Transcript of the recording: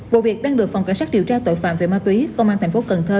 vụ việc đang được phòng cảnh sát điều tra tội phạm về ma túy công an thành phố cần thơ